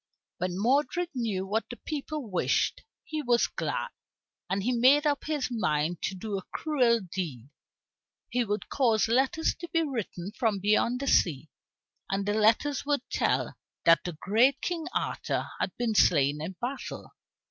When Modred knew what the people wished, he was glad, and he made up his mind to do a cruel deed. He would cause letters to be written from beyond the sea, and the letters would tell that the great King Arthur had been slain in battle.